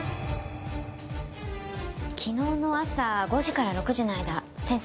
昨日の朝５時から６時の間先生